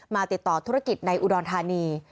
ติดต่อธุรกิจในอุดรธานี